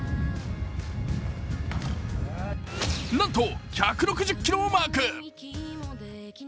なんと１６０キロをマーク。